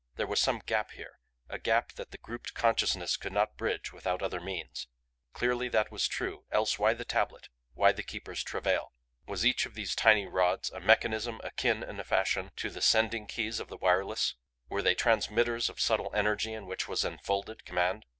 There was some gap here a gap that the grouped consciousness could not bridge without other means. Clearly that was true else why the tablet, why the Keeper's travail? Was each of these tiny rods a mechanism akin, in a fashion, to the sending keys of the wireless; were they transmitters of subtle energy in which was enfolded command?